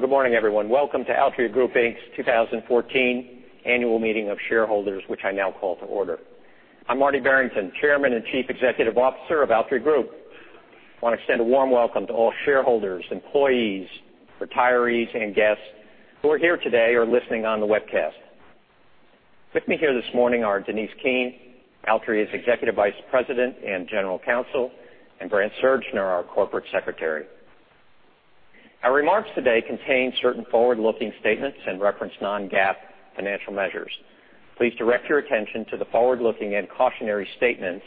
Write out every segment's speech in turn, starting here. Good morning, everyone. Welcome to Altria Group Inc.'s 2014 Annual Meeting of Shareholders, which I now call to order. I'm Marty Barrington, Chairman and Chief Executive Officer of Altria Group. I want to extend a warm welcome to all shareholders, employees, retirees, and guests who are here today or listening on the webcast. With me here this morning are Denise Keene, Altria's Executive Vice President and General Counsel, and Grant Surgner, our Corporate Secretary. Our remarks today contain certain forward-looking statements and reference non-GAAP financial measures. Please direct your attention to the forward-looking and cautionary statements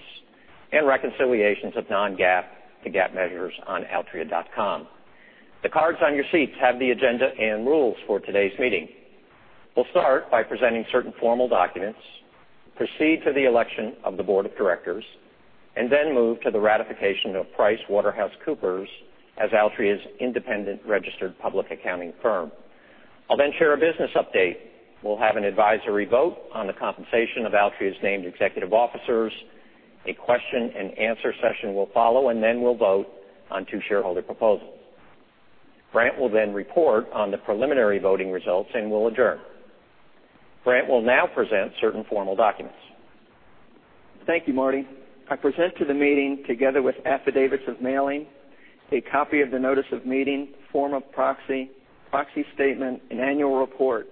and reconciliations of non-GAAP to GAAP measures on altria.com. The cards on your seats have the agenda and rules for today's meeting. We'll start by presenting certain formal documents, proceed to the election of the board of directors, then move to the ratification of PricewaterhouseCoopers as Altria's independent registered public accounting firm. I'll then share a business update. We'll have an advisory vote on the compensation of Altria's named executive officers. A question and answer session will follow, then we'll vote on two shareholder proposals. Grant will then report on the preliminary voting results, we'll adjourn. Thank you, Marty. I present to the meeting, together with affidavits of mailing, a copy of the notice of meeting, form of proxy statement, and annual report,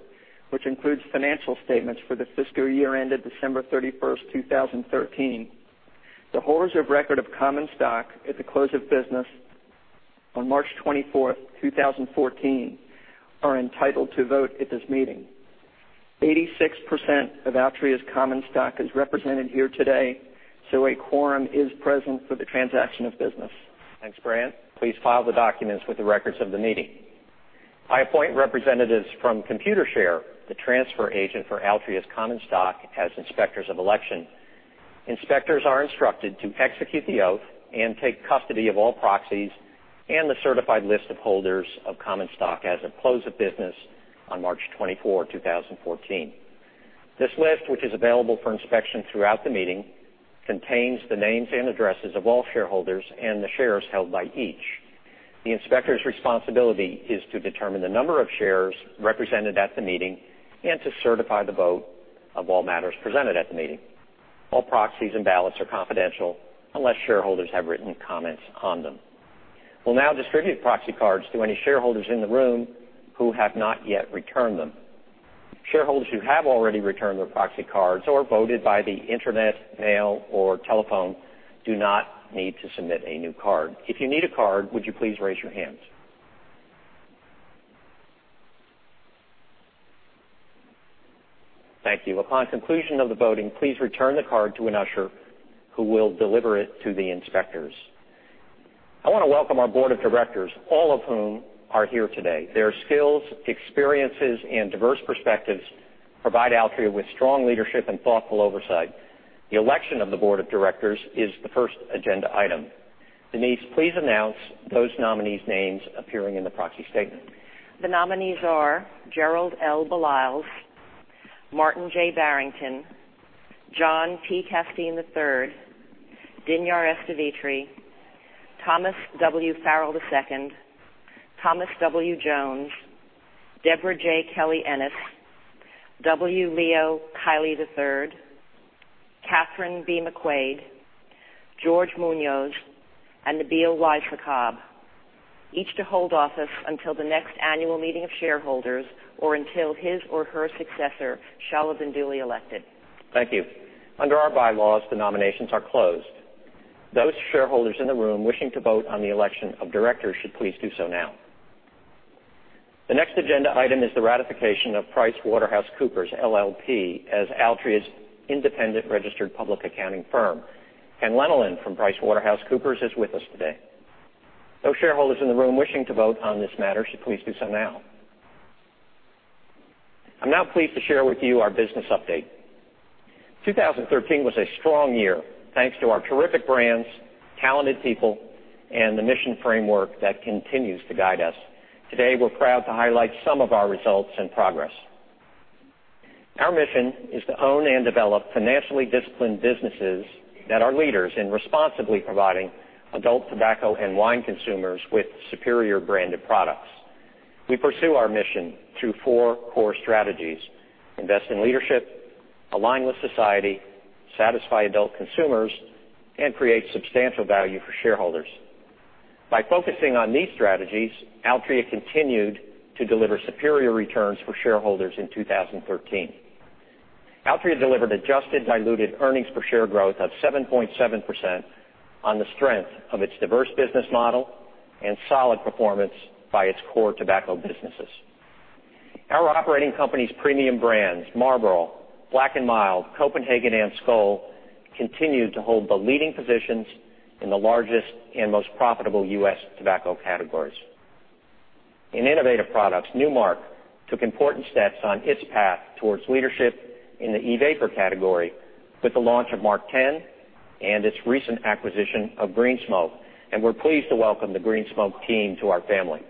which includes financial statements for the fiscal year ended December 31st, 2013. The holders of record of common stock at the close of business on March 24th, 2014, are entitled to vote at this meeting. 86% of Altria's common stock is represented here today, a quorum is present for the transaction of business. Thanks, Grant. Please file the documents with the records of the meeting. I appoint representatives from Computershare, the transfer agent for Altria's common stock, as inspectors of election. Inspectors are instructed to execute the oath and take custody of all proxies and the certified list of holders of common stock as of close of business on March 24, 2014. This list, which is available for inspection throughout the meeting, contains the names and addresses of all shareholders and the shares held by each. The inspector's responsibility is to determine the number of shares represented at the meeting and to certify the vote of all matters presented at the meeting. All proxies and ballots are confidential unless shareholders have written comments on them. We'll now distribute proxy cards to any shareholders in the room who have not yet returned them. Shareholders who have already returned their proxy cards or voted by the internet, mail, or telephone do not need to submit a new card. If you need a card, would you please raise your hands? Thank you. Upon conclusion of the voting, please return the card to an usher, who will deliver it to the inspectors. I want to welcome our board of directors, all of whom are here today. Their skills, experiences, and diverse perspectives provide Altria with strong leadership and thoughtful oversight. The election of the board of directors is the first agenda item. Denise, please announce those nominees' names appearing in the proxy statement. The nominees are Gerald L. Baliles, Martin J. Barrington, John T. Casteen III, Dinyar S. Devitre, Thomas F. Farrell II, Thomas W. Jones, Debra J. Kelly-Ennis, W. Leo Kiely III, Kathryn B. McQuade, George Muñoz, and Nabil Y. Sakkab, each to hold office until the next annual meeting of shareholders or until his or her successor shall have been duly elected. Thank you. Under our bylaws, the nominations are closed. Those shareholders in the room wishing to vote on the election of directors should please do so now. The next agenda item is the ratification of PricewaterhouseCoopers, LLP, as Altria's independent registered public accounting firm. Ken Lenolen from PricewaterhouseCoopers is with us today. Those shareholders in the room wishing to vote on this matter should please do so now. I'm now pleased to share with you our business update. 2013 was a strong year, thanks to our terrific brands, talented people, and the mission framework that continues to guide us. Today, we're proud to highlight some of our results and progress. Our mission is to own and develop financially disciplined businesses that are leaders in responsibly providing adult tobacco and wine consumers with superior branded products. We pursue our mission through four core strategies, invest in leadership, align with society, satisfy adult consumers, and create substantial value for shareholders. By focusing on these strategies, Altria continued to deliver superior returns for shareholders in 2013. Altria delivered adjusted diluted earnings per share growth of 7.7% on the strength of its diverse business model and solid performance by its core tobacco businesses. Our operating company's premium brands, Marlboro, Black & Mild, Copenhagen, and Skoal, continued to hold the leading positions in the largest and most profitable U.S. tobacco categories. In innovative products, Nu Mark took important steps on its path towards leadership in the e-vapor category with the launch of MarkTen and its recent acquisition of Green Smoke, and we're pleased to welcome the Green Smoke team to our family.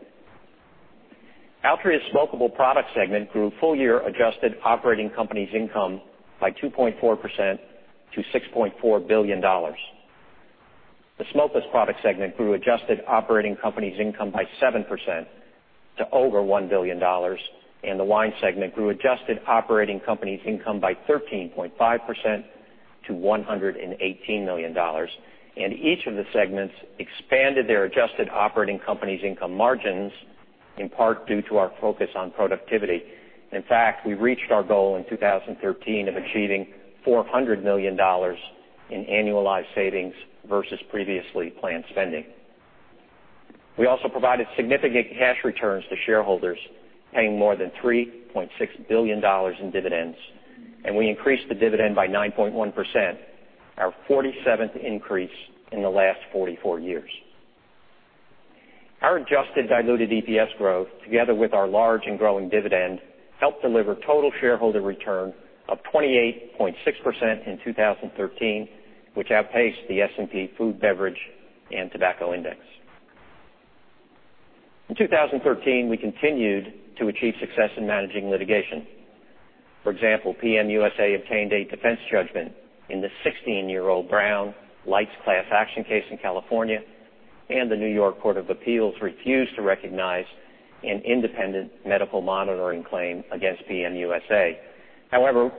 Altria's smokable product segment grew full-year adjusted operating company's income by 2.4% to $6.4 billion. The smokeless product segment grew adjusted operating company's income by 7% to over $1 billion, and the wine segment grew adjusted operating company's income by 13.5% to $118 million. Each of the segments expanded their adjusted operating company's income margins, in part due to our focus on productivity. In fact, we reached our goal in 2013 of achieving $400 million in annualized savings versus previously planned spending. We also provided significant cash returns to shareholders, paying more than $3.6 billion in dividends, and we increased the dividend by 9.1%, our 47th increase in the last 44 years. Our adjusted diluted EPS growth, together with our large and growing dividend, helped deliver total shareholder return of 28.6% in 2013, which outpaced the S&P Food, Beverage, and Tobacco Index. In 2013, we continued to achieve success in managing litigation. For example, PM USA obtained a defense judgment in the 16-year-old Brown Lights class action case in California, and the New York Court of Appeals refused to recognize an independent medical monitoring claim against PM USA.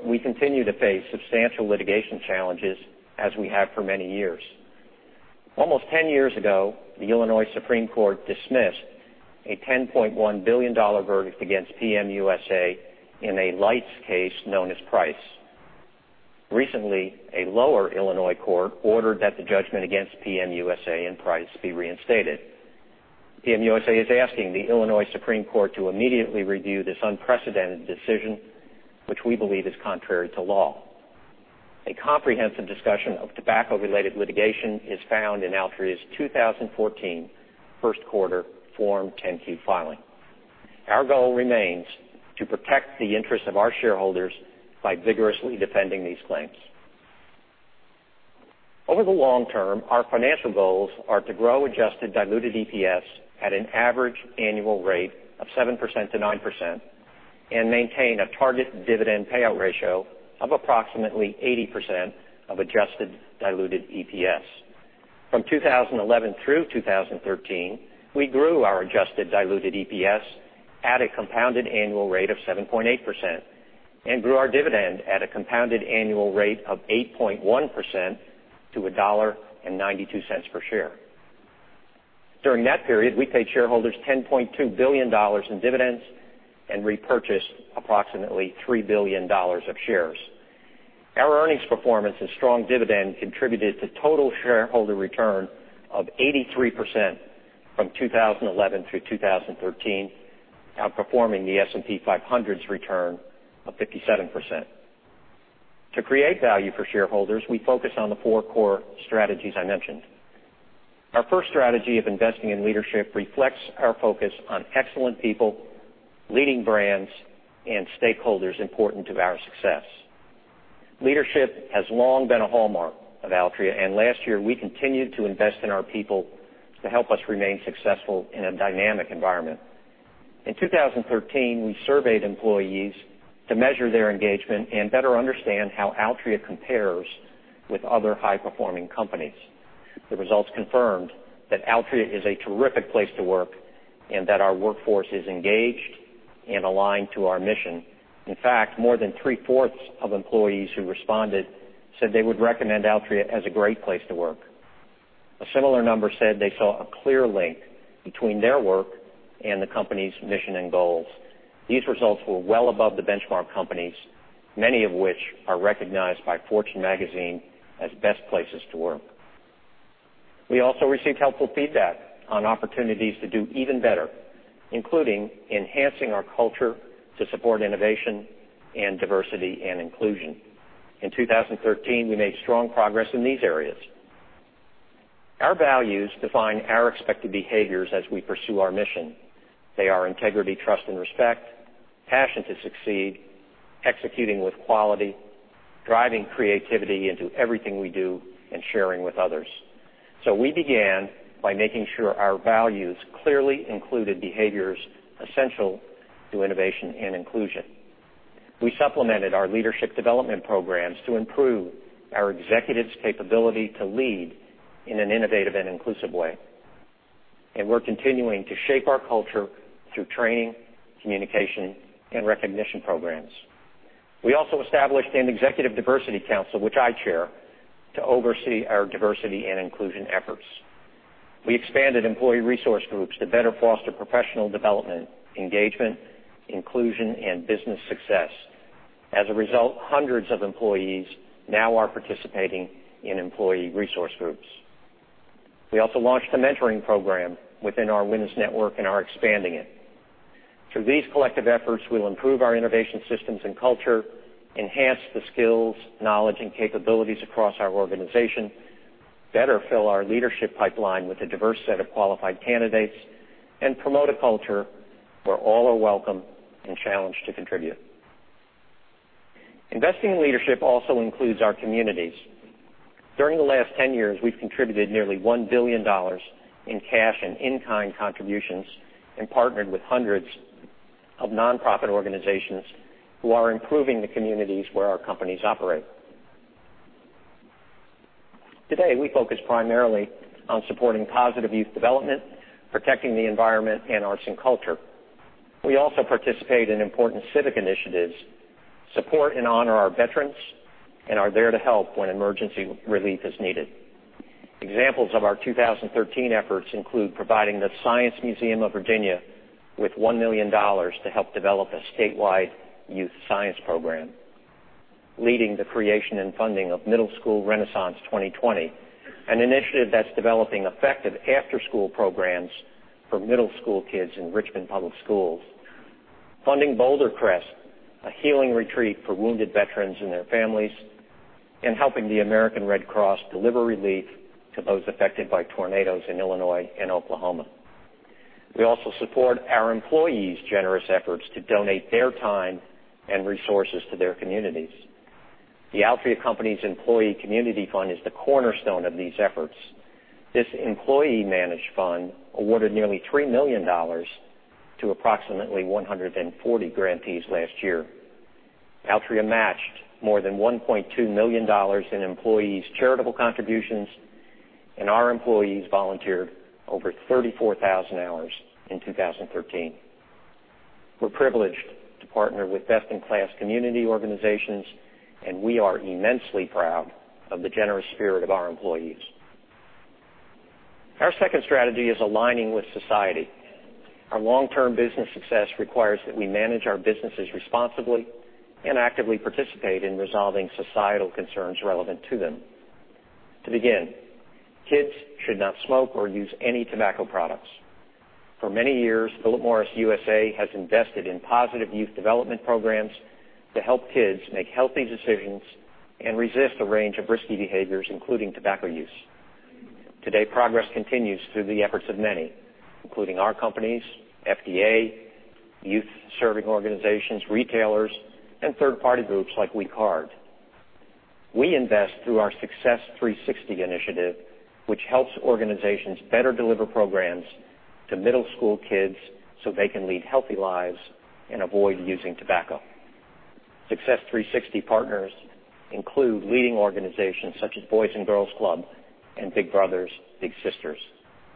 We continue to face substantial litigation challenges as we have for many years. Almost 10 years ago, the Illinois Supreme Court dismissed a $10.1 billion verdict against PM USA in a lights case known as Price. A lower Illinois court ordered that the judgment against PM USA and Price be reinstated. PM USA is asking the Illinois Supreme Court to immediately review this unprecedented decision, which we believe is contrary to law. A comprehensive discussion of tobacco-related litigation is found in Altria's 2014 first quarter Form 10-Q filing. Our goal remains to protect the interests of our shareholders by vigorously defending these claims. Over the long term, our financial goals are to grow adjusted diluted EPS at an average annual rate of 7%-9% and maintain a target dividend payout ratio of approximately 80% of adjusted diluted EPS. From 2011 through 2013, we grew our adjusted diluted EPS at a compounded annual rate of 7.8% and grew our dividend at a compounded annual rate of 8.1% to $1.92 per share. During that period, we paid shareholders $10.2 billion in dividends and repurchased approximately $3 billion of shares. Our earnings performance and strong dividend contributed to total shareholder return of 83% from 2011 through 2013, outperforming the S&P 500's return of 57%. To create value for shareholders, we focus on the four core strategies I mentioned. Our first strategy of investing in leadership reflects our focus on excellent people, leading brands, and stakeholders important to our success. Leadership has long been a hallmark of Altria, and last year, we continued to invest in our people to help us remain successful in a dynamic environment. In 2013, we surveyed employees to measure their engagement and better understand how Altria compares with other high-performing companies. The results confirmed that Altria is a terrific place to work and that our workforce is engaged and aligned to our mission. In fact, more than three-fourths of employees who responded said they would recommend Altria as a great place to work. A similar number said they saw a clear link between their work and the company's mission and goals. These results were well above the benchmark companies, many of which are recognized by Fortune magazine as best places to work. We also received helpful feedback on opportunities to do even better, including enhancing our culture to support innovation and diversity and inclusion. In 2013, we made strong progress in these areas. Our values define our expected behaviors as we pursue our mission. They are integrity, trust, and respect, passion to succeed, executing with quality, driving creativity into everything we do, and sharing with others. We began by making sure our values clearly included behaviors essential to innovation and inclusion. We supplemented our leadership development programs to improve our executives' capability to lead in an innovative and inclusive way. We're continuing to shape our culture through training, communication, and recognition programs. We also established an executive diversity council, which I chair, to oversee our diversity and inclusion efforts. We expanded employee resource groups to better foster professional development, engagement, inclusion, and business success. As a result, hundreds of employees now are participating in employee resource groups. We also launched a mentoring program within our women's network and are expanding it. Through these collective efforts, we'll improve our innovation systems and culture, enhance the skills, knowledge, and capabilities across our organization, better fill our leadership pipeline with a diverse set of qualified candidates, and promote a culture where all are welcome and challenged to contribute. Investing in leadership also includes our communities. During the last 10 years, we've contributed nearly $1 billion in cash and in-kind contributions and partnered with hundreds of nonprofit organizations who are improving the communities where our companies operate. Today, we focus primarily on supporting positive youth development, protecting the environment, and arts and culture. We also participate in important civic initiatives, support and honor our veterans, and are there to help when emergency relief is needed. Examples of our 2013 efforts include providing the Science Museum of Virginia with $1 million to help develop a statewide youth science program, leading the creation and funding of Middle School Renaissance 2020, an initiative that's developing effective after-school programs for middle school kids in Richmond public schools. Funding Boulder Crest, a healing retreat for wounded veterans and their families, and helping the American Red Cross deliver relief to those affected by tornadoes in Illinois and Oklahoma. We also support our employees' generous efforts to donate their time and resources to their communities. The Altria companies' employee community fund is the cornerstone of these efforts. This employee-managed fund awarded nearly $3 million to approximately 140 grantees last year. Altria matched more than $1.2 million in employees' charitable contributions, and our employees volunteered over 34,000 hours in 2013. We're privileged to partner with best-in-class community organizations. We are immensely proud of the generous spirit of our employees. Our second strategy is aligning with society. Our long-term business success requires that we manage our businesses responsibly and actively participate in resolving societal concerns relevant to them. To begin, kids should not smoke or use any tobacco products. For many years, Philip Morris USA has invested in positive youth development programs to help kids make healthy decisions and resist a range of risky behaviors, including tobacco use. Today, progress continues through the efforts of many, including our companies, FDA, youth-serving organizations, retailers, and third-party groups like We Card. We invest through our Success 360 initiative, which helps organizations better deliver programs to middle school kids so they can lead healthy lives and avoid using tobacco. Success 360 partners include leading organizations such as Boys & Girls Club and Big Brothers Big Sisters.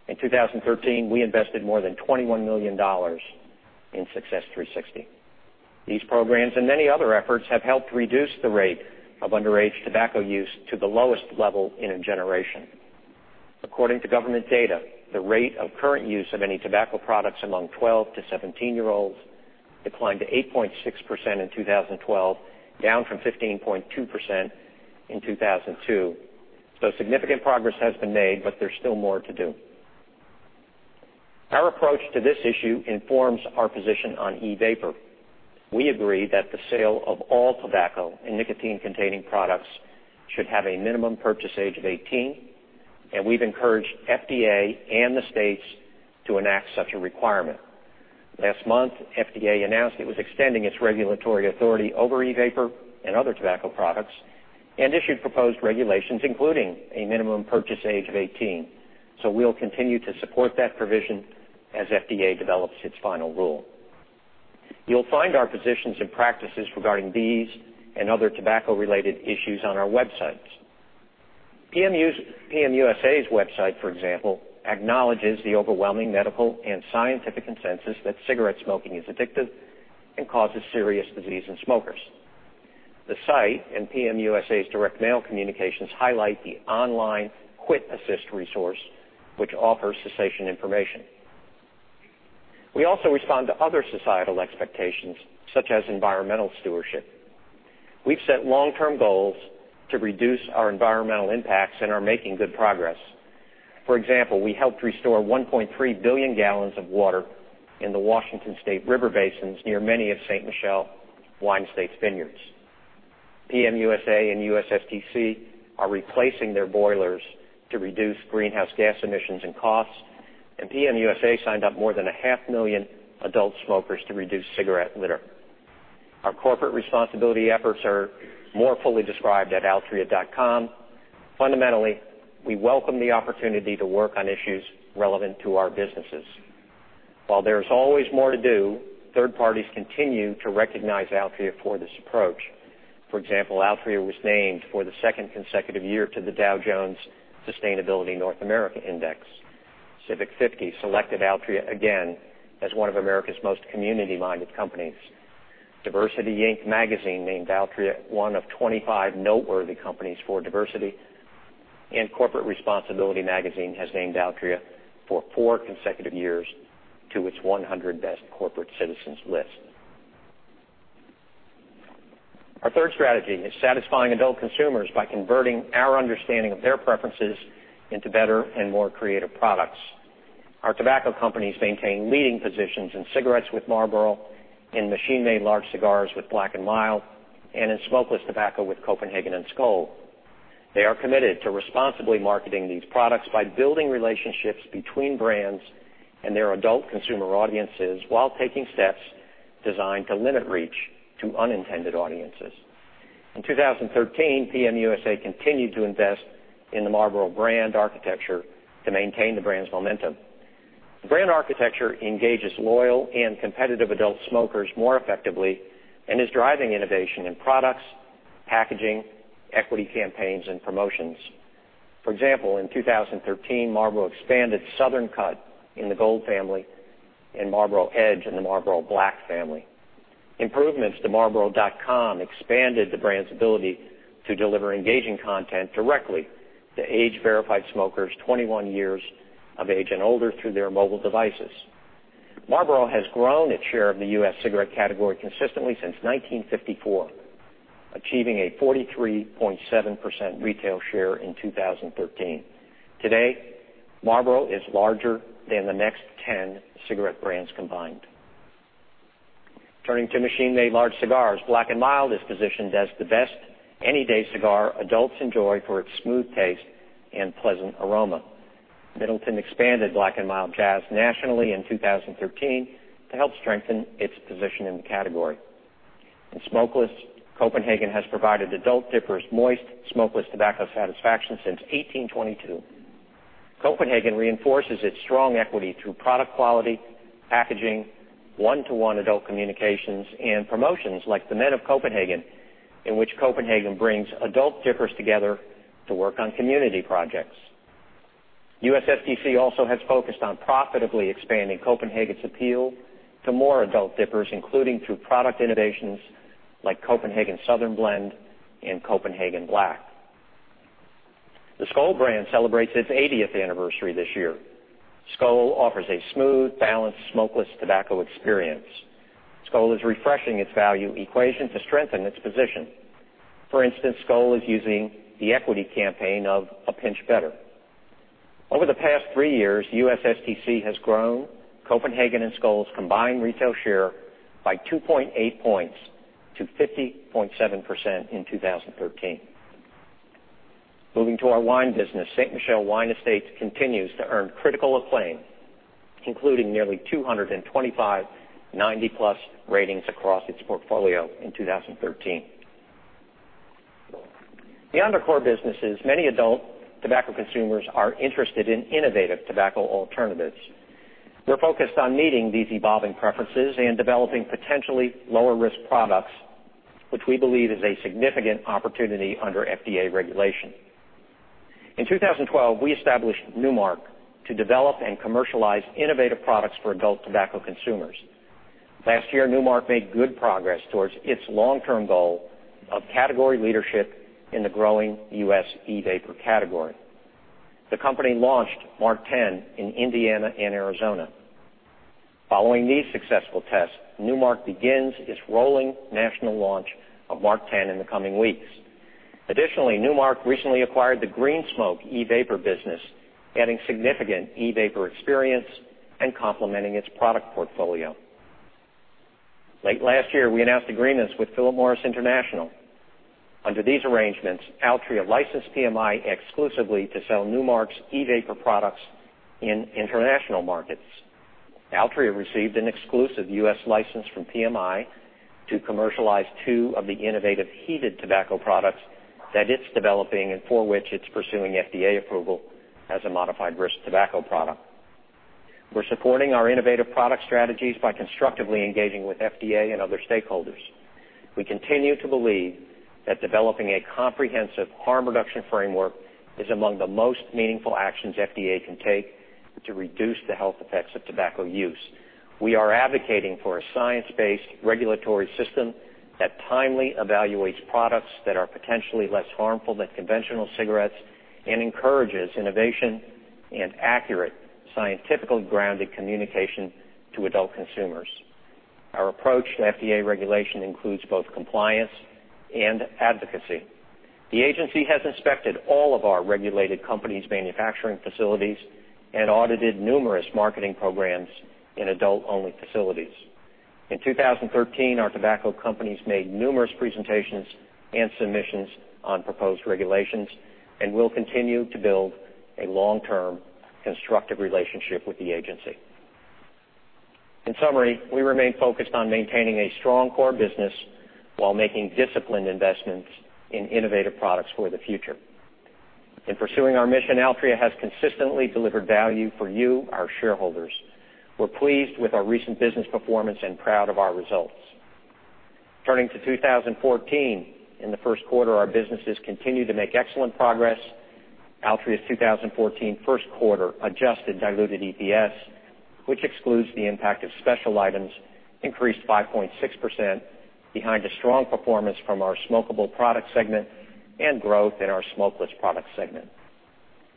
In 2013, we invested more than $21 million in Success 360. These programs and many other efforts have helped reduce the rate of underage tobacco use to the lowest level in a generation. According to government data, the rate of current use of any tobacco products among 12 to 17-year-olds declined to 8.6% in 2012, down from 15.2% in 2002. Significant progress has been made, but there's still more to do. Our approach to this issue informs our position on e-vapor. We agree that the sale of all tobacco and nicotine-containing products should have a minimum purchase age of 18, and we've encouraged FDA and the states to enact such a requirement. Last month, FDA announced it was extending its regulatory authority over e-vapor and other tobacco products and issued proposed regulations, including a minimum purchase age of 18. We'll continue to support that provision as FDA develops its final rule. You'll find our positions and practices regarding these and other tobacco-related issues on our websites. PM USA's website, for example, acknowledges the overwhelming medical and scientific consensus that cigarette smoking is addictive and causes serious disease in smokers. The site and PM USA's direct mail communications highlight the online quit assist resource, which offers cessation information. We also respond to other societal expectations, such as environmental stewardship. We've set long-term goals to reduce our environmental impacts and are making good progress. For example, we helped restore 1.3 billion gallons of water in the Washington State river basins near many of Ste. Michelle Wine Estates' vineyards. PM USA and USSTC are replacing their boilers to reduce greenhouse gas emissions and costs, and PM USA signed up more than a half million adult smokers to reduce cigarette litter. Our corporate responsibility efforts are more fully described at altria.com. Fundamentally, we welcome the opportunity to work on issues relevant to our businesses. While there's always more to do, third parties continue to recognize Altria for this approach. For example, Altria was named for the second consecutive year to the Dow Jones Sustainability North America Index. The Civic 50 selected Altria again as one of America's most community-minded companies. DiversityInc Magazine named Altria one of 25 noteworthy companies for diversity, and Corporate Responsibility Magazine has named Altria for four consecutive years to its 100 Best Corporate Citizens list. Our third strategy is satisfying adult consumers by converting our understanding of their preferences into better and more creative products. Our tobacco companies maintain leading positions in cigarettes with Marlboro, in machine-made large cigars with Black & Mild, and in smokeless tobacco with Copenhagen and Skoal. They are committed to responsibly marketing these products by building relationships between brands and their adult consumer audiences while taking steps designed to limit reach to unintended audiences. In 2013, PM USA continued to invest in the Marlboro brand architecture to maintain the brand's momentum. The brand architecture engages loyal and competitive adult smokers more effectively and is driving innovation in products, packaging, equity campaigns, and promotions. For example, in 2013, Marlboro expanded Southern Cut in the Gold family and Marlboro Edge in the Marlboro Black family. Improvements to marlboro.com expanded the brand's ability to deliver engaging content directly to age-verified smokers 21 years of age and older through their mobile devices. Marlboro has grown its share of the U.S. cigarette category consistently since 1954, achieving a 43.7% retail share in 2013. Today, Marlboro is larger than the next 10 cigarette brands combined. Turning to machine-made large cigars, Black & Mild is positioned as the best any day cigar adults enjoy for its smooth taste and pleasant aroma. John Middleton Co. expanded Black & Mild Jazz nationally in 2013 to help strengthen its position in the category. In smokeless, Copenhagen has provided adult dippers moist smokeless tobacco satisfaction since 1822. Copenhagen reinforces its strong equity through product quality, packaging, one-to-one adult communications, and promotions like The Men of Copenhagen, in which Copenhagen brings adult dippers together to work on community projects. U.S. Smokeless Tobacco Company also has focused on profitably expanding Copenhagen's appeal to more adult dippers, including through product innovations like Copenhagen Southern Blend and Copenhagen Black. The Skoal brand celebrates its 80th anniversary this year. Skoal offers a smooth, balanced smokeless tobacco experience. Skoal is refreshing its value equation to strengthen its position. For instance, Skoal is using the equity campaign of A Pinch Better. Over the past three years, U.S. Smokeless Tobacco Company has grown Copenhagen and Skoal's combined retail share by 2.8 points to 50.7% in 2013. Moving to our wine business, Ste. Michelle Wine Estates continues to earn critical acclaim, including nearly 225 90+ ratings across its portfolio in 2013. Beyond our core businesses, many adult tobacco consumers are interested in innovative tobacco alternatives. We're focused on meeting these evolving preferences and developing potentially lower-risk products, which we believe is a significant opportunity under FDA regulation. In 2012, we established Nu Mark to develop and commercialize innovative products for adult tobacco consumers. Last year, Nu Mark made good progress towards its long-term goal of category leadership in the growing U.S. e-vapor category. The company launched MarkTen in Indiana and Arizona. Following these successful tests, Nu Mark begins its rolling national launch of MarkTen in the coming weeks. Additionally, Nu Mark recently acquired the Green Smoke e-vapor business, adding significant e-vapor experience and complementing its product portfolio. Late last year, we announced agreements with Philip Morris International. Under these arrangements, Altria licensed Philip Morris International exclusively to sell Nu Mark's e-vapor products in international markets. Altria received an exclusive U.S. license from Philip Morris International to commercialize two of the innovative heated tobacco products that it's developing and for which it's pursuing FDA approval as a modified risk tobacco product. We're supporting our innovative product strategies by constructively engaging with FDA and other stakeholders. We continue to believe that developing a comprehensive harm reduction framework is among the most meaningful actions FDA can take to reduce the health effects of tobacco use. We are advocating for a science-based regulatory system that timely evaluates products that are potentially less harmful than conventional cigarettes and encourages innovation and accurate, scientifically grounded communication to adult consumers. Our approach to FDA regulation includes both compliance and advocacy. The agency has inspected all of our regulated companies' manufacturing facilities and audited numerous marketing programs in adult-only facilities. In 2013, our tobacco companies made numerous presentations and submissions on proposed regulations and will continue to build a long-term constructive relationship with the agency. In summary, we remain focused on maintaining a strong core business while making disciplined investments in innovative products for the future. In pursuing our mission, Altria has consistently delivered value for you, our shareholders. We're pleased with our recent business performance and proud of our results. Turning to 2014, in the first quarter, our businesses continued to make excellent progress. Altria's 2014 first quarter adjusted diluted EPS, which excludes the impact of special items, increased 5.6% behind a strong performance from our smokable product segment and growth in our smokeless product segment.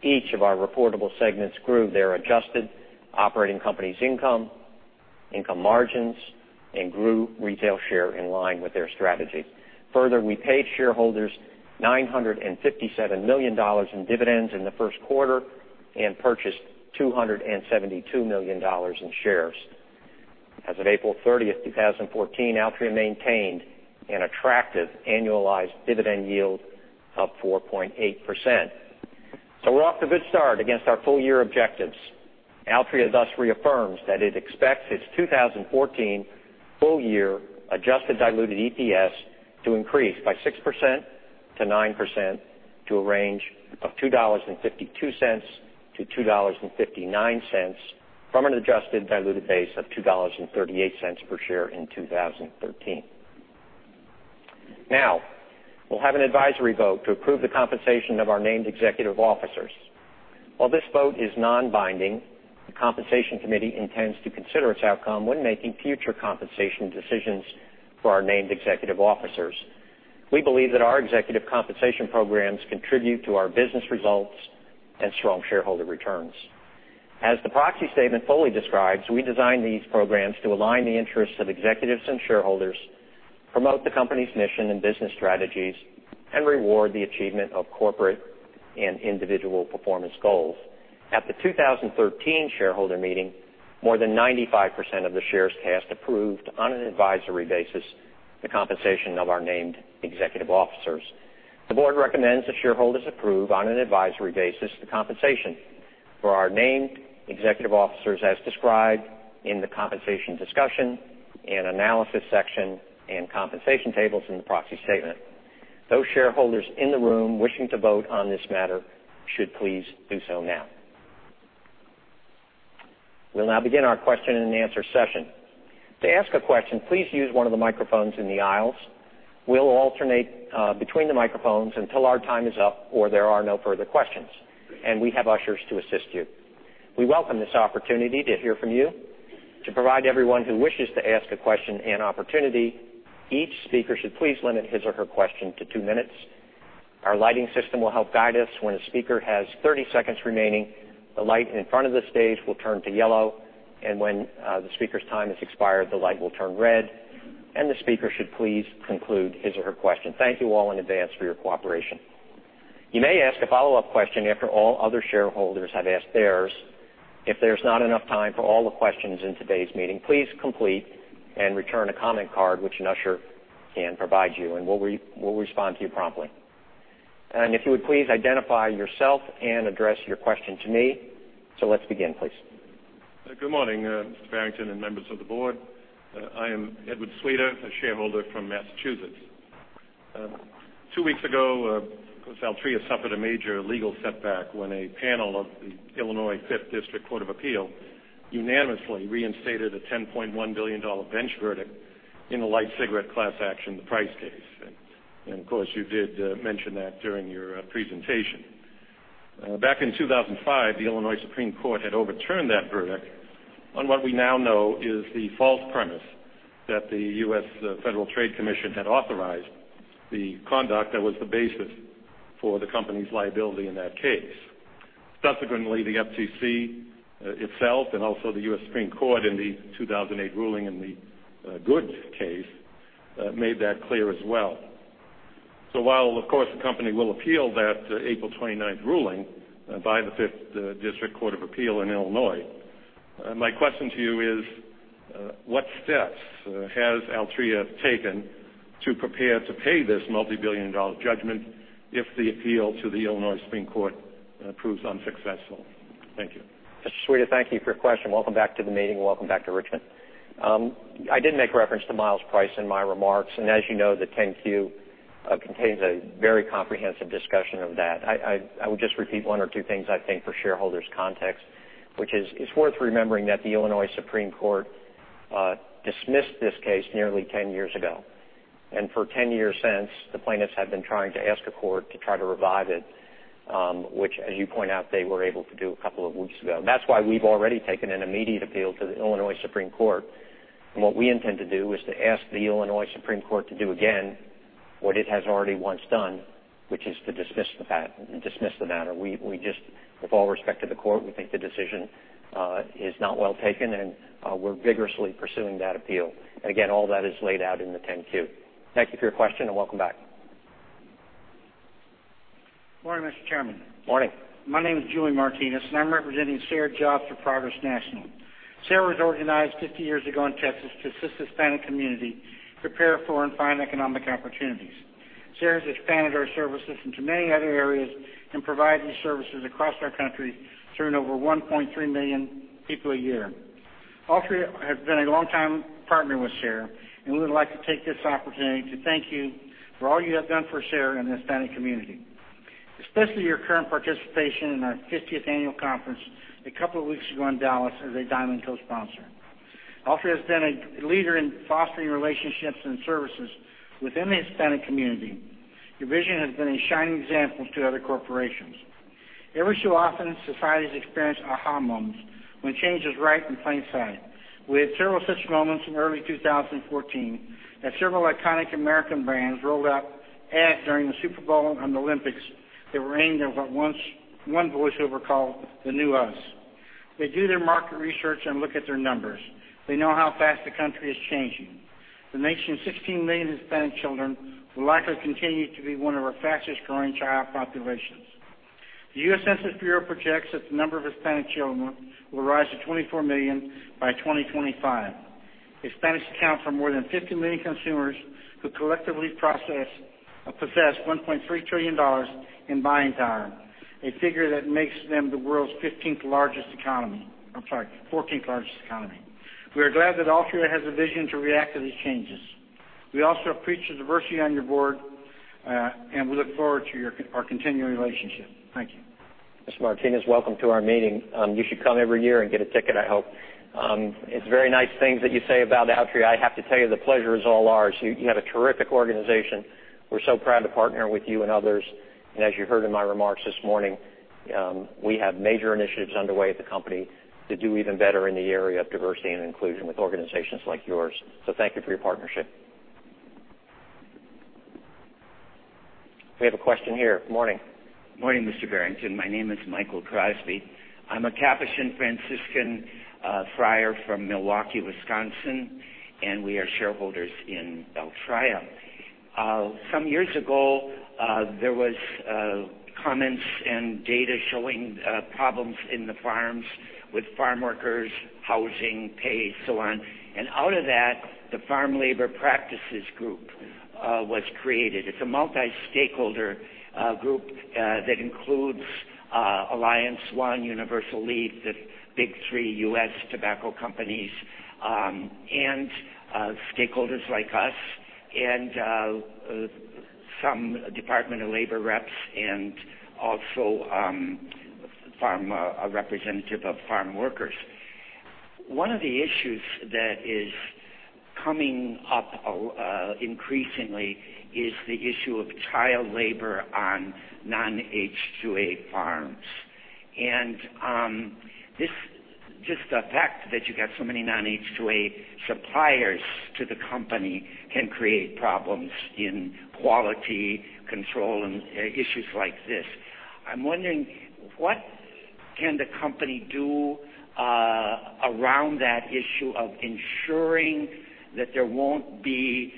Each of our reportable segments grew their adjusted operating company's income margins, and grew retail share in line with their strategy. Further, we paid shareholders $957 million in dividends in the first quarter and purchased $272 million in shares. As of April 30th, 2014, Altria maintained an attractive annualized dividend yield of 4.8%. We're off to a good start against our full year objectives. Altria thus reaffirms that it expects its 2014 full year adjusted diluted EPS to increase by 6%-9% to a range of $2.52-$2.59 from an adjusted diluted base of $2.38 per share in 2013. We'll have an advisory vote to approve the compensation of our named executive officers. While this vote is non-binding, the Compensation Committee intends to consider its outcome when making future compensation decisions for our named executive officers. We believe that our executive compensation programs contribute to our business results and strong shareholder returns. As the proxy statement fully describes, we design these programs to align the interests of executives and shareholders, promote the company's mission and business strategies, and reward the achievement of corporate and individual performance goals. At the 2013 shareholder meeting, more than 95% of the shares cast approved on an advisory basis the compensation of our named executive officers. The board recommends the shareholders approve on an advisory basis the compensation for our named executive officers as described in the compensation discussion and analysis section and compensation tables in the proxy statement. Those shareholders in the room wishing to vote on this matter should please do so now. We'll now begin our question and answer session. To ask a question, please use one of the microphones in the aisles. We'll alternate between the microphones until our time is up or there are no further questions, and we have ushers to assist you. We welcome this opportunity to hear from you. To provide everyone who wishes to ask a question an opportunity, each speaker should please limit his or her question to two minutes. Our lighting system will help guide us. When a speaker has 30 seconds remaining, the light in front of the stage will turn to yellow, and when the speaker's time has expired, the light will turn red, and the speaker should please conclude his or her question. Thank you all in advance for your cooperation. You may ask a follow-up question after all other shareholders have asked theirs. If there's not enough time for all the questions in today's meeting, please complete and return a comment card, which an usher can provide you, and we'll respond to you promptly. If you would please identify yourself and address your question to me. Let's begin, please. Good morning, Mr. Barrington and members of the board. I am Edward Sweda, a shareholder from Massachusetts. Two weeks ago, of course, Altria suffered a major legal setback when a panel of the Illinois Fifth District Appellate Court unanimously reinstated a $10.1 billion bench verdict in the light cigarette class action, the Price case. Of course, you did mention that during your presentation. Back in 2005, the Illinois Supreme Court had overturned that verdict on what we now know is the false premise that the U.S. Federal Trade Commission had authorized the conduct that was the basis for the company's liability in that case. Subsequently, the FTC itself and also the U.S. Supreme Court in the 2008 ruling in the Good case, made that clear as well. While, of course, the company will appeal that April 29th ruling by the Fifth District Appellate Court in Illinois, my question to you is, what steps has Altria taken to prepare to pay this multi-billion dollar judgment if the appeal to the Illinois Supreme Court proves unsuccessful? Thank you. Mr. Sweda, thank you for your question. Welcome back to the meeting. Welcome back to Richmond. I did make reference to Price in my remarks, and as you know, the 10-Q contains a very comprehensive discussion of that. I would just repeat one or two things, I think, for shareholders' context, which is it's worth remembering that the Illinois Supreme Court dismissed this case nearly 10 years ago. For 10 years since, the plaintiffs have been trying to ask a court to try to revive it, which, as you point out, they were able to do a couple of weeks ago. That's why we've already taken an immediate appeal to the Illinois Supreme Court. What we intend to do is to ask the Illinois Supreme Court to do again what it has already once done, which is to dismiss the matter. With all respect to the court, we think the decision is not well taken, we're vigorously pursuing that appeal. Again, all that is laid out in the 10-Q. Thank you for your question, and welcome back. Good morning, Mr. Chairman. Morning. My name is Julian Martinez, and I'm representing SER Jobs for Progress National. SER was organized 50 years ago in Texas to assist the Hispanic community prepare for and find economic opportunities. SER has expanded our services into many other areas and provide these services across our country, serving over 1.3 million people a year. Altria has been a long-time partner with SER, and we would like to take this opportunity to thank you for all you have done for SER and the Hispanic community, especially your current participation in our 50th annual conference a couple of weeks ago in Dallas as a Diamond co-sponsor. Altria has been a leader in fostering relationships and services within the Hispanic community. Your vision has been a shining example to other corporations. Every so often, societies experience aha moments when change is right in plain sight. We had several such moments in early 2014 as several iconic American brands rolled out ads during the Super Bowl and the Olympics that were aimed at what one voiceover called the new us. They do their market research and look at their numbers. They know how fast the country is changing. The nation's 16 million Hispanic children will likely continue to be one of our fastest-growing child populations. The U.S. Census Bureau projects that the number of Hispanic children will rise to 24 million by 2025. Hispanics account for more than 50 million consumers who collectively possess $1.3 trillion in buying power, a figure that makes them the world's 14th largest economy. We are glad that Altria has the vision to react to these changes. We also appreciate the diversity on your board. We look forward to our continuing relationship. Thank you. Mr. Martinez, welcome to our meeting. You should come every year and get a ticket, I hope. It's very nice things that you say about Altria. I have to tell you, the pleasure is all ours. You have a terrific organization. We're so proud to partner with you and others. As you heard in my remarks this morning, we have major initiatives underway at the company to do even better in the area of diversity and inclusion with organizations like yours. Thank you for your partnership. We have a question here. Morning. Morning, Mr. Barrington. My name is Michael Crosby. I'm a Capuchin Franciscan friar from Milwaukee, Wisconsin, and we are shareholders in Altria. Some years ago, there was comments and data showing problems in the farms with farm workers, housing, pay, so on. Out of that, the Farm Labor Practices Group was created. It's a multi-stakeholder group that includes Alliance One, Universal Leaf, the big three U.S. tobacco companies, and stakeholders like us, and some Department of Labor reps, and also a representative of farm workers. One of the issues that is coming up increasingly is the issue of child labor on non-H2A farms. Just the fact that you got so many non-H2A suppliers to the company can create problems in quality control and issues like this. I'm wondering, what can the company do around that issue of ensuring that there won't be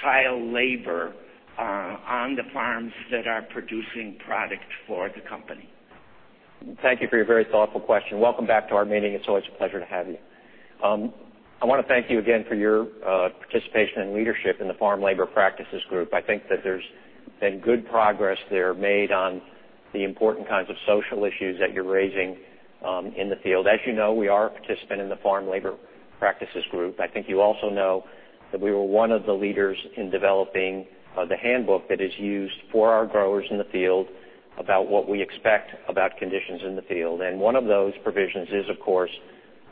child labor on the farms that are producing product for the company? Thank you for your very thoughtful question. Welcome back to our meeting. It's always a pleasure to have you. I want to thank you again for your participation and leadership in the Farm Labor Practices Group. I think that there's been good progress there made on the important kinds of social issues that you're raising in the field. As you know, we are a participant in the Farm Labor Practices Group. I think you also know that we were one of the leaders in developing the handbook that is used for our growers in the field about what we expect about conditions in the field. One of those provisions is, of course,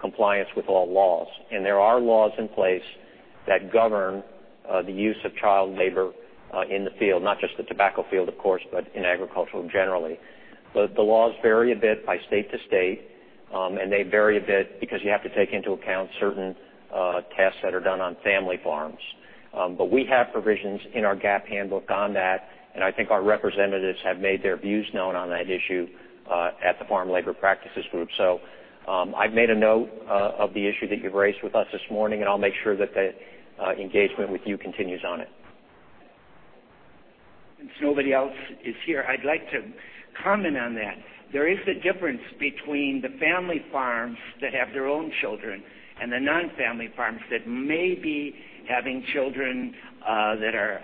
compliance with all laws. There are laws in place that govern the use of child labor in the field, not just the tobacco field, of course, but in agricultural generally. The laws vary a bit by state to state, and they vary a bit because you have to take into account certain tasks that are done on family farms. We have provisions in our GAP handbook on that, and I think our representatives have made their views known on that issue at the Farm Labor Practices Group. I've made a note of the issue that you've raised with us this morning, and I'll make sure that the engagement with you continues on it. Since nobody else is here, I'd like to comment on that. There is a difference between the family farms that have their own children and the non-family farms that may be having children that are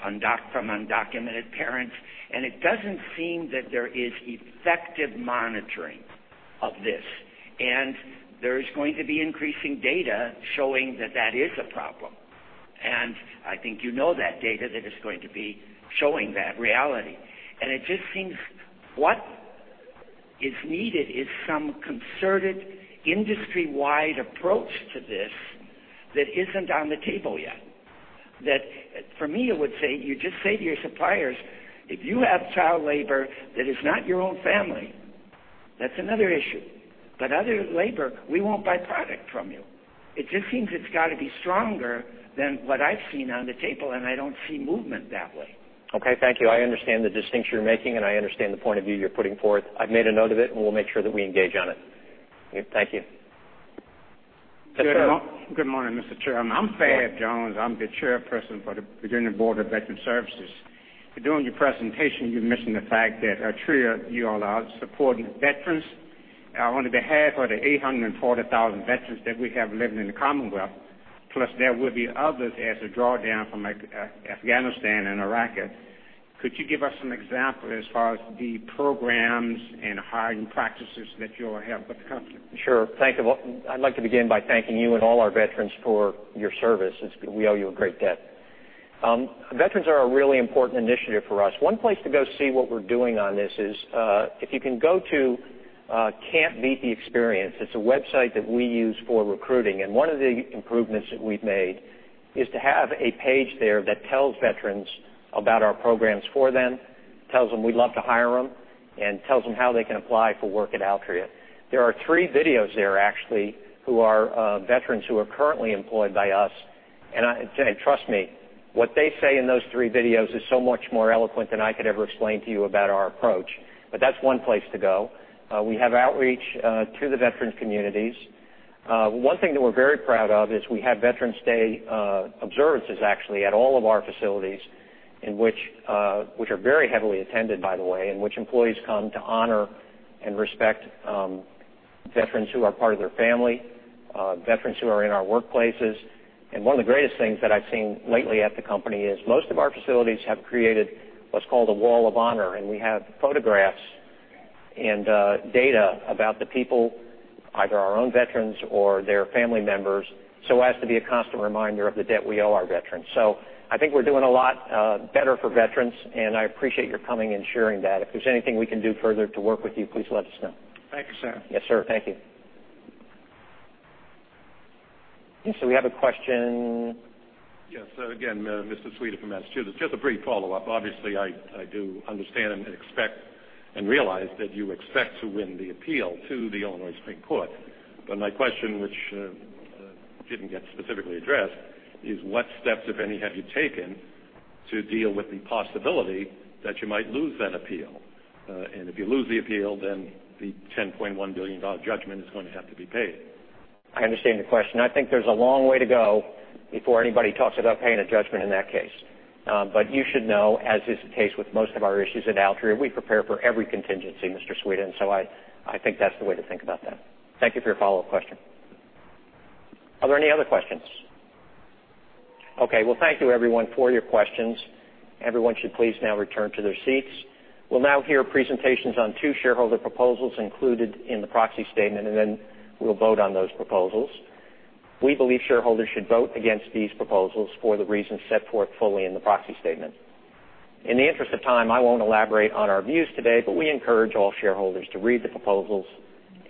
from undocumented parents, and it doesn't seem that there is effective monitoring of this. There is going to be increasing data showing that that is a problem. I think you know that data that is going to be showing that reality. It just seems what is needed is some concerted industry-wide approach to this that isn't on the table yet. That for me, I would say, you just say to your suppliers, "If you have child labor that is not your own family, that's another issue. Other labor, we won't buy product from you." It just seems it's got to be stronger than what I've seen on the table, and I don't see movement that way. Okay. Thank you. I understand the distinction you're making, and I understand the point of view you're putting forth. I've made a note of it, and we'll make sure that we engage on it. Thank you. Good morning, Mr. Chairman. I'm Fab Jones. I'm the chairperson for the Virginia Board of Veterans Services. During your presentation, you mentioned the fact that Altria, you all are supporting veterans on behalf of the 840,000 veterans that we have living in the Commonwealth. Plus, there will be others as a drawdown from Afghanistan and Iraq. Could you give us some examples as far as the programs and hiring practices that you all have with the company? Sure. I'd like to begin by thanking you and all our veterans for your service. We owe you a great debt. Veterans are a really important initiative for us. One place to go see what we're doing on this is, if you can go to Can't Beat the Experience. It's a website that we use for recruiting. One of the improvements that we've made is to have a page there that tells veterans about our programs for them, tells them we'd love to hire them, and tells them how they can apply for work at Altria. There are three videos there, actually, who are veterans who are currently employed by us. Trust me, what they say in those three videos is so much more eloquent than I could ever explain to you about our approach. That's one place to go. We have outreach to the veteran communities. One thing that we're very proud of is we have Veterans Day observances, actually, at all of our facilities In which, are very heavily attended, by the way, in which employees come to honor and respect veterans who are part of their family, veterans who are in our workplaces. One of the greatest things that I've seen lately at the company is most of our facilities have created what's called a Wall of Honor, and we have photographs and data about the people, either our own veterans or their family members, so as to be a constant reminder of the debt we owe our veterans. I think we're doing a lot better for veterans, and I appreciate your coming and sharing that. If there's anything we can do further to work with you, please let us know. Thank you, sir. Yes, sir. Thank you. We have a question. Yes. Again, Mr. Sweda, from Massachusetts. Just a brief follow-up. Obviously, I do understand and expect and realize that you expect to win the appeal to the Illinois Supreme Court. My question, which didn't get specifically addressed, is what steps, if any, have you taken to deal with the possibility that you might lose that appeal? If you lose the appeal, then the $10.1 billion judgment is going to have to be paid. I understand the question. I think there's a long way to go before anybody talks about paying a judgment in that case. You should know, as is the case with most of our issues at Altria, we prepare for every contingency, Mr. Sweda. I think that's the way to think about that. Thank you for your follow-up question. Are there any other questions? Okay. Well, thank you everyone for your questions. Everyone should please now return to their seats. We'll now hear presentations on two shareholder proposals included in the proxy statement, then we'll vote on those proposals. We believe shareholders should vote against these proposals for the reasons set forth fully in the proxy statement. In the interest of time, I won't elaborate on our views today, we encourage all shareholders to read the proposals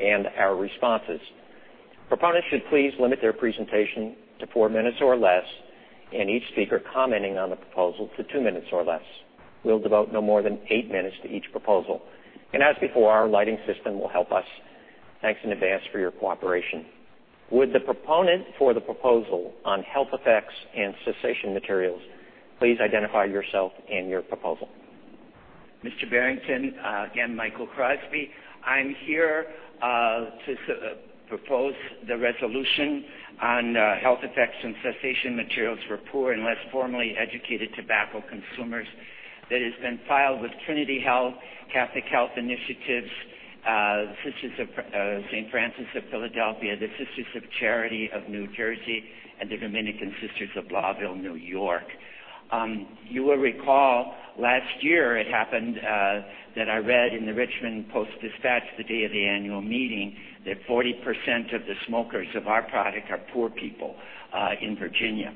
and our responses. Proponents should please limit their presentation to four minutes or less, each speaker commenting on the proposal to two minutes or less. We'll devote no more than eight minutes to each proposal. As before, our lighting system will help us. Thanks in advance for your cooperation. Would the proponent for the proposal on health effects and cessation materials please identify yourself and your proposal? Mr. Barrington, again, Michael Crosby. I'm here to propose the resolution on health effects and cessation materials for poor and less formally educated tobacco consumers that has been filed with Trinity Health, Catholic Health Initiatives, Sisters of St. Francis of Philadelphia, the Sisters of Charity of Saint Elizabeth, and the Dominican Sisters of Blauvelt, New York. You will recall last year it happened that I read in the Richmond Times-Dispatch the day of the annual meeting that 40% of the smokers of our product are poor people in Virginia.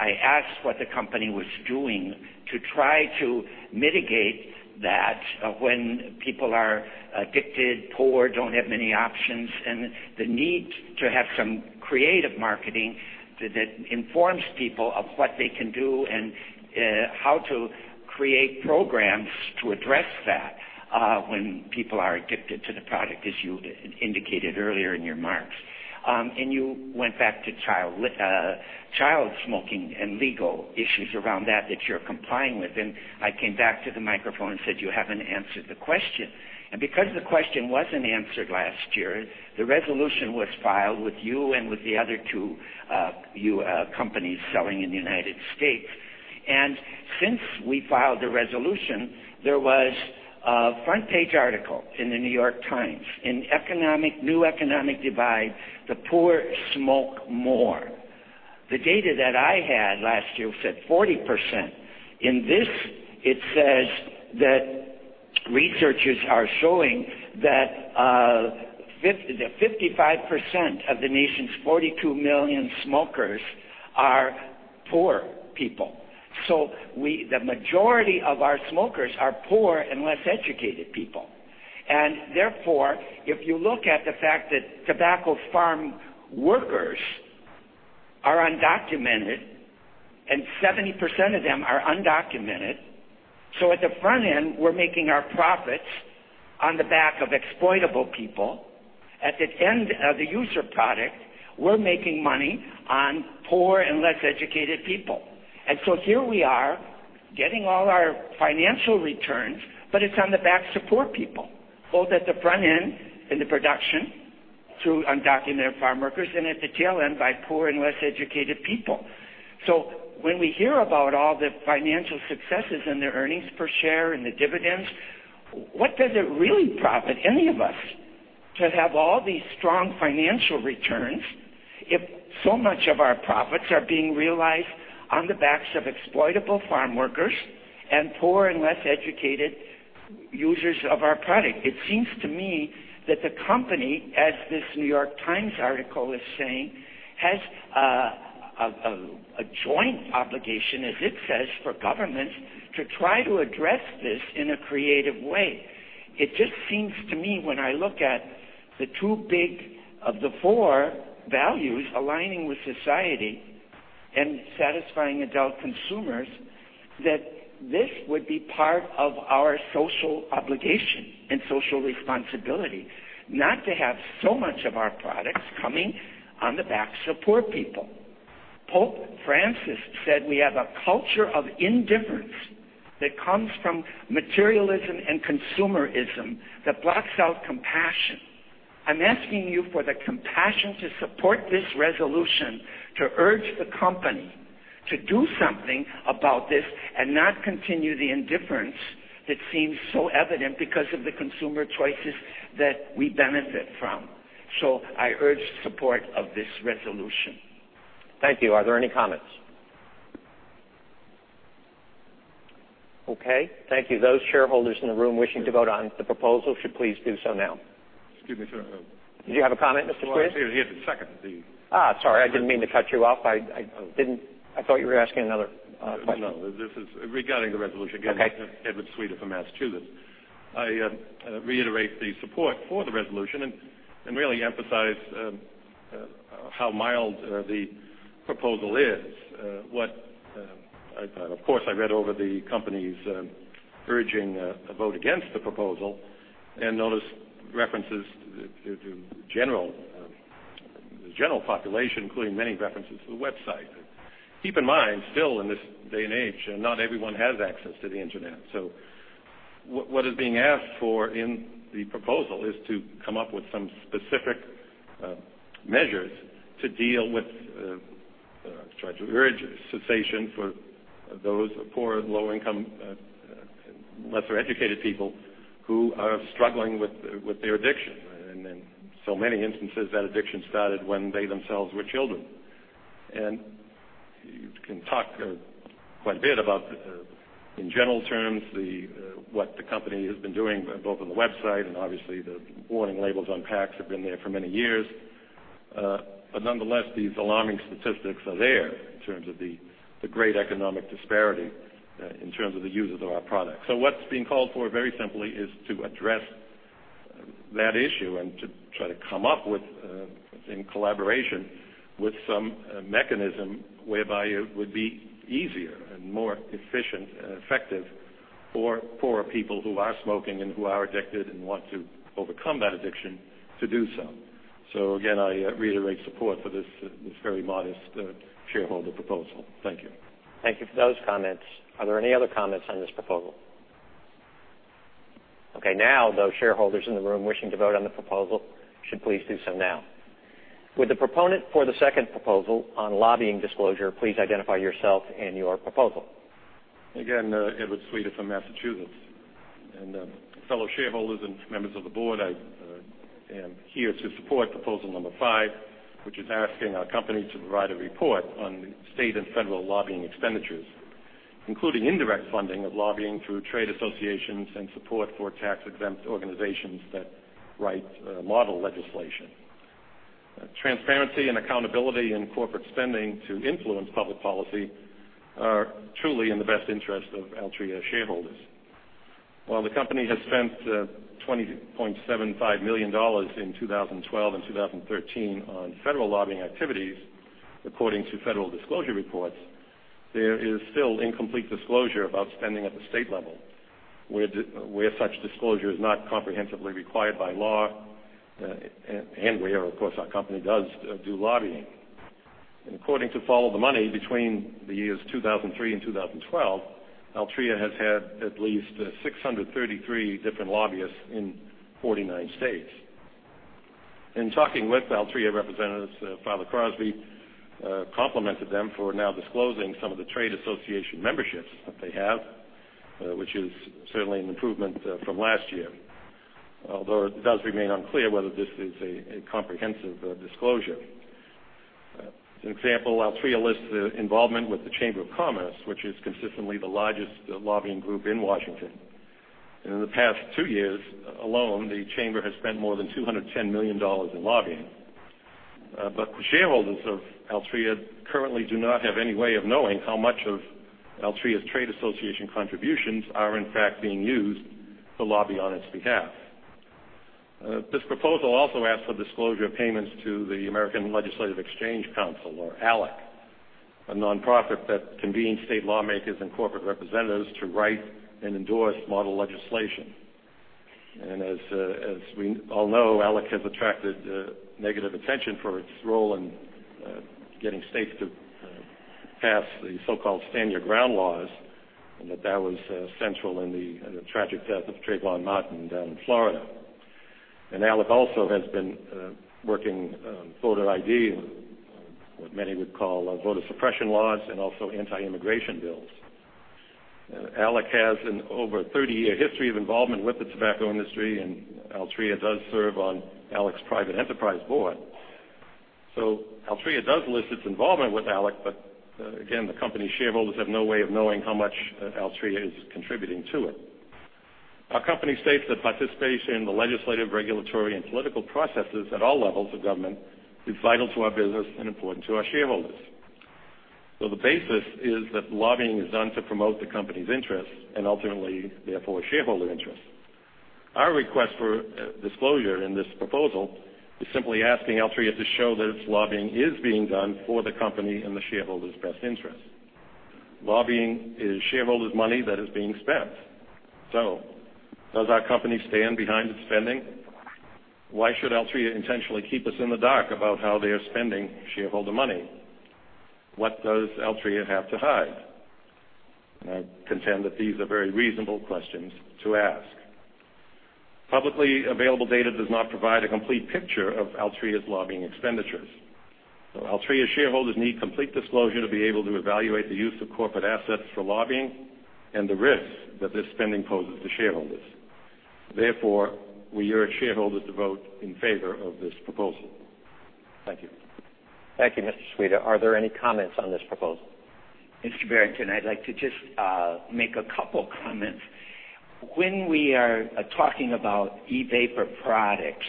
I asked what the company was doing to try to mitigate that when people are addicted, poor, don't have many options, and the need to have some creative marketing that informs people of what they can do and how to create programs to address that when people are addicted to the product, as you indicated earlier in your remarks. You went back to child smoking and legal issues around that that you're complying with. I came back to the microphone and said, "You haven't answered the question." Because the question wasn't answered last year, the resolution was filed with you and with the other two companies selling in the U.S. Since we filed the resolution, there was a front-page article in The New York Times, "In New Economic Divide, the Poor Smoke More." The data that I had last year said 40%. In this, it says that researchers are showing that 55% of the nation's 42 million smokers are poor people. The majority of our smokers are poor and less educated people. Therefore, if you look at the fact that tobacco farm workers are undocumented, 70% of them are undocumented. At the front end, we're making our profits on the back of exploitable people. At the end of the user product, we're making money on poor and less educated people. Here we are getting all our financial returns, but it's on the backs of poor people, both at the front end in the production through undocumented farm workers and at the tail end by poor and less educated people. When we hear about all the financial successes and their earnings per share and the dividends, what does it really profit any of us to have all these strong financial returns if so much of our profits are being realized on the backs of exploitable farm workers and poor and less educated users of our product? It seems to me that the company, as this The New York Times article is saying, has a joint obligation, as it says, for governments to try to address this in a creative way. It just seems to me when I look at the two big of the four values aligning with society and satisfying adult consumers, that this would be part of our social obligation and social responsibility, not to have so much of our products coming on the backs of poor people. Pope Francis said we have a culture of indifference that comes from materialism and consumerism that blocks out compassion. I'm asking you for the compassion to support this resolution, to urge the company to do something about this and not continue the indifference that seems so evident because of the consumer choices that we benefit from. I urge support of this resolution. Thank you. Are there any comments? Okay, thank you. Those shareholders in the room wishing to vote on the proposal should please do so now. Excuse me, sir. Did you have a comment, Mr. Sweda? Well, I'm here to second. Sorry. I didn't mean to cut you off. I thought you were asking another question. No, this is regarding the resolution. Okay. Again, Edward Sweda from Massachusetts. I reiterate the support for the resolution and really emphasize how mild the proposal is. Of course, I read over the company's urging a vote against the proposal and noticed references to the general population, including many references to the website. Keep in mind, still, in this day and age, not everyone has access to the internet. What is being asked for in the proposal is to come up with some specific measures to deal with, try to urge cessation for those poor, low-income, lesser-educated people who are struggling with their addiction. In so many instances, that addiction started when they themselves were children. You can talk quite a bit about, in general terms, what the company has been doing, both on the website and obviously the warning labels on packs have been there for many years. Nonetheless, these alarming statistics are there in terms of the great economic disparity in terms of the users of our product. What's being called for, very simply, is to address that issue and to try to come up with, in collaboration, with some mechanism whereby it would be easier and more efficient and effective for poor people who are smoking and who are addicted and want to overcome that addiction to do so. Again, I reiterate support for this very modest shareholder proposal. Thank you. Thank you for those comments. Are there any other comments on this proposal? Okay, now those shareholders in the room wishing to vote on the proposal should please do so now. Would the proponent for the second proposal on lobbying disclosure please identify yourself and your proposal? Again, Edward Sweda from Massachusetts. Fellow shareholders and members of the board, I am here to support proposal number five, which is asking our company to provide a report on state and federal lobbying expenditures, including indirect funding of lobbying through trade associations and support for tax-exempt organizations that write model legislation. Transparency and accountability in corporate spending to influence public policy are truly in the best interest of Altria shareholders. While the company has spent $20.75 million in 2012 and 2013 on federal lobbying activities, according to federal disclosure reports, there is still incomplete disclosure about spending at the state level, where such disclosure is not comprehensively required by law, and where, of course, our company does do lobbying. According to FollowTheMoney.org, between the years 2003 and 2012, Altria has had at least 633 different lobbyists in 49 states. In talking with Altria representatives, Father Crosby complimented them for now disclosing some of the trade association memberships that they have, which is certainly an improvement from last year, although it does remain unclear whether this is a comprehensive disclosure. As an example, Altria lists involvement with the Chamber of Commerce, which is consistently the largest lobbying group in Washington. In the past two years alone, the Chamber has spent more than $210 million in lobbying. But the shareholders of Altria currently do not have any way of knowing how much of Altria's trade association contributions are, in fact, being used to lobby on its behalf. This proposal also asks for disclosure of payments to the American Legislative Exchange Council, or ALEC, a nonprofit that convenes state lawmakers and corporate representatives to write and endorse model legislation. As we all know, ALEC has attracted negative attention for its role in getting states to pass the so-called stand-your-ground laws, and that was central in the tragic death of Trayvon Martin down in Florida. ALEC also has been working on voter ID, and what many would call voter suppression laws and also anti-immigration bills. ALEC has an over 30-year history of involvement with the tobacco industry, and Altria does serve on ALEC's private enterprise board. Altria does list its involvement with ALEC, but again, the company shareholders have no way of knowing how much Altria is contributing to it. Our company states that participation in the legislative, regulatory, and political processes at all levels of government is vital to our business and important to our shareholders. The basis is that lobbying is done to promote the company's interests and ultimately, therefore, shareholder interests. Our request for disclosure in this proposal is simply asking Altria to show that its lobbying is being done for the company and the shareholders' best interests. Lobbying is shareholders' money that is being spent. Does our company stand behind its spending? Why should Altria intentionally keep us in the dark about how they are spending shareholder money? What does Altria have to hide? I contend that these are very reasonable questions to ask. Publicly available data does not provide a complete picture of Altria's lobbying expenditures. Altria shareholders need complete disclosure to be able to evaluate the use of corporate assets for lobbying and the risks that this spending poses to shareholders. Therefore, we urge shareholders to vote in favor of this proposal. Thank you. Thank you, Mr. Sweda. Are there any comments on this proposal? Mr. Barrington, I'd like to just make a couple comments. When we are talking about e-vapor products,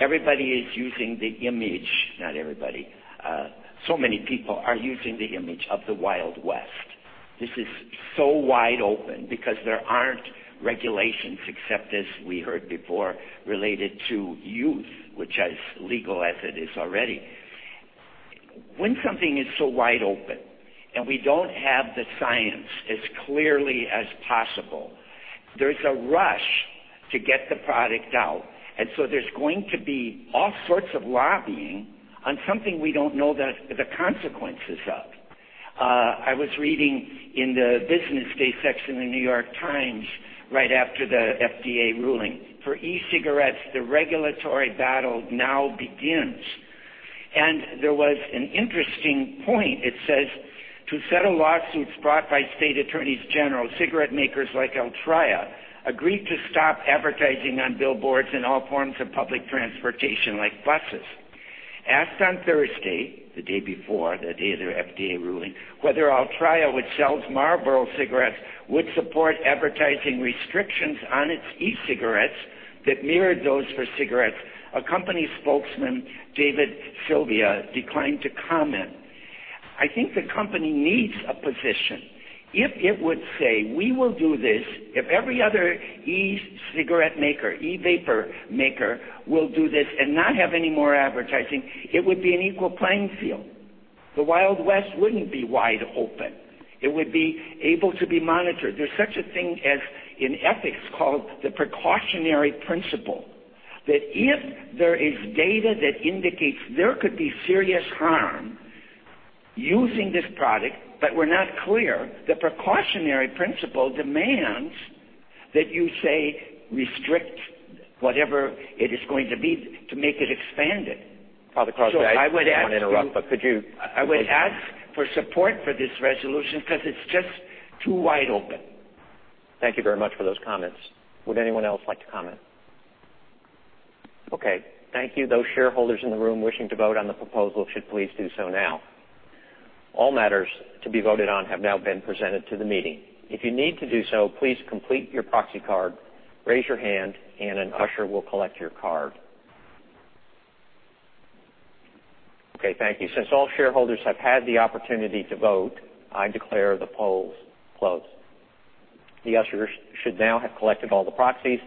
everybody is using the image, not everybody, so many people are using the image of the Wild West. This is so wide open because there aren't regulations, except as we heard before, related to youth, which is legal as it is already. When something is so wide open, we don't have the science as clearly as possible, there's a rush to get the product out. There's going to be all sorts of lobbying on something we don't know the consequences of. I was reading in the Business Day section in The New York Times, right after the FDA ruling. For e-cigarettes, the regulatory battle now begins. There was an interesting point. It says, to settle lawsuits brought by state attorneys general, cigarette makers like Altria agreed to stop advertising on billboards and all forms of public transportation like buses. Asked on Thursday, the day before the day of the FDA ruling, whether Altria, which sells Marlboro cigarettes, would support advertising restrictions on its e-cigarettes that mirrored those for cigarettes. A company spokesman, David Sylvia, declined to comment. I think the company needs a position. If it would say, we will do this if every other e-cigarette maker, e-vapor maker will do this and not have any more advertising, it would be an equal playing field. The Wild West wouldn't be wide open. It would be able to be monitored. There's such a thing as in ethics called the precautionary principle, that if there is data that indicates there could be serious harm using this product, but we're not clear, the precautionary principle demands that you say restrict whatever it is going to be to make it expanded. Michael Crosby, I don't want to interrupt, but could you please. I would ask for support for this resolution because it's just too wide open. Thank you very much for those comments. Would anyone else like to comment? Okay, thank you. Those shareholders in the room wishing to vote on the proposal should please do so now. All matters to be voted on have now been presented to the meeting. If you need to do so, please complete your proxy card, raise your hand, and an usher will collect your card. Okay, thank you. Since all shareholders have had the opportunity to vote, I declare the polls closed. The ushers should now have collected all the proxies,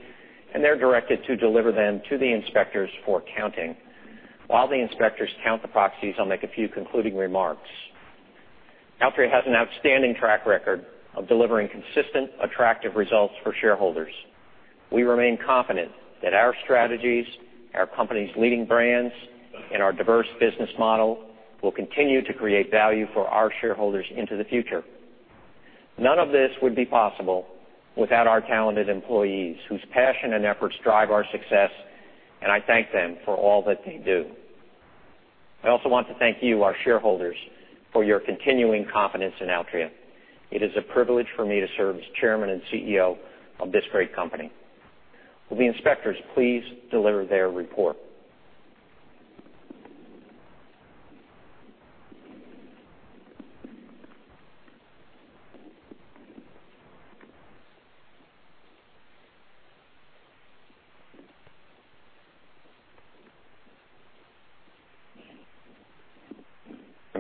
and they're directed to deliver them to the inspectors for counting. While the inspectors count the proxies, I'll make a few concluding remarks. Altria has an outstanding track record of delivering consistent, attractive results for shareholders. We remain confident that our strategies, our company's leading brands, and our diverse business model will continue to create value for our shareholders into the future. None of this would be possible without our talented employees, whose passion and efforts drive our success, and I thank them for all that they do. I also want to thank you, our shareholders, for your continuing confidence in Altria. It is a privilege for me to serve as Chairman and CEO of this great company. Will the inspectors please deliver their report?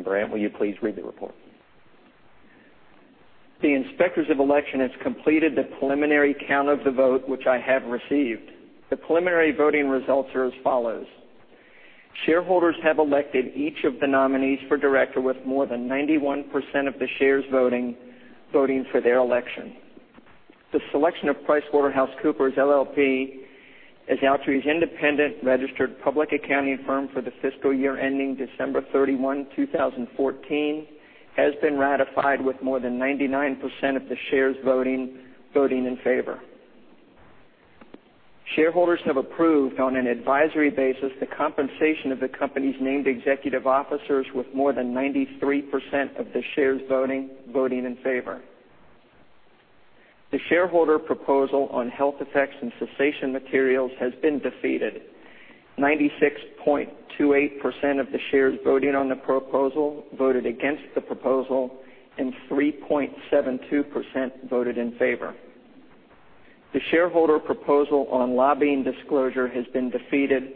Grant, will you please read the report? The Inspectors of Election has completed the preliminary count of the vote, which I have received. The preliminary voting results are as follows. Shareholders have elected each of the nominees for director with more than 91% of the shares voting for their election. The selection of PricewaterhouseCoopers, LLP as Altria's independent registered public accounting firm for the fiscal year ending December 31, 2014 has been ratified with more than 99% of the shares voting in favor. Shareholders have approved on an advisory basis the compensation of the company's named executive officers with more than 93% of the shares voting in favor. The shareholder proposal on health effects and cessation materials has been defeated. 96.28% of the shares voting on the proposal voted against the proposal, and 3.72% voted in favor. The shareholder proposal on lobbying disclosure has been defeated.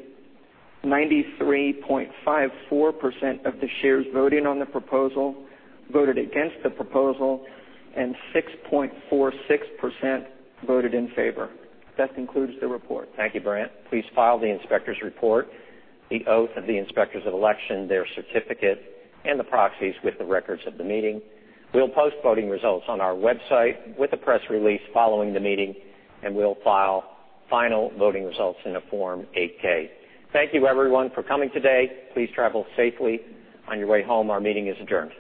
93.54% of the shares voting on the proposal voted against the proposal, and 6.46% voted in favor. That concludes the report. Thank you, Grant. Please file the inspector's report, the oath of the inspectors of election, their certificate, and the proxies with the records of the meeting. We'll post voting results on our website with a press release following the meeting, and we'll file final voting results in a Form 8-K. Thank you, everyone, for coming today. Please travel safely on your way home. Our meeting is adjourned.